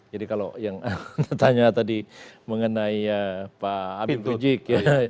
jadi kalau yang ditanya tadi mengenai pak habib rizik